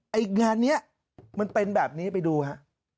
ไอ้งานนี้มันเป็นแบบนี้ไปดูฮะ